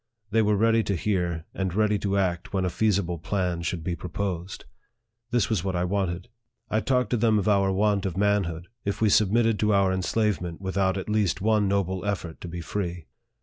They were ready to hear, and ready to act when a feasible plan should be proposed. This was what I wanted. I talked to them of our want of manhood, if we submitted to our enslavement without at least one noble effort to be free.